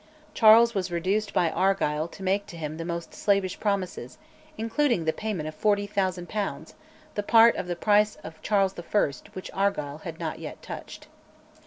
Charles was reduced by Argyll to make to him the most slavish promises, including the payment of 40,000 pounds, the part of the price of Charles I. which Argyll had not yet touched.